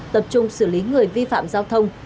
tập trung xử lý người vi phạm giao thông